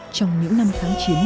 trong những năm kháng chiến